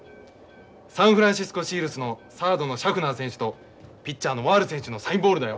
サンフランシスコ・シールスのサードのシャフナー選手とピッチャーのワール選手のサインボールだよ。